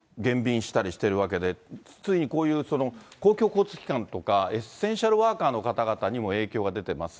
関東ですと、小田急バスなどもこれ、減便したりしてるわけで、ついにこういう公共交通機関とか、エッセンシャルワーカーの方々にも影響が出てます。